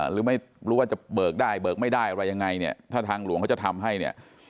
หรือไม่รู้ว่าจะเบิกได้เบิกไม่ได้อะไรยังไงเนี่ยถ้าทางหลวงเขาจะทำให้เนี่ย